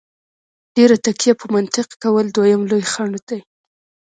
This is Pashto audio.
ډېره تکیه په منطق کول دویم لوی خنډ دی.